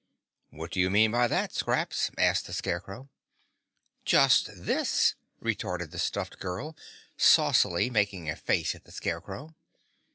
"What do you mean by that, Scraps?" asked the Scarecrow. "Just this," retorted the stuffed girl, saucily making a face at the Scarecrow.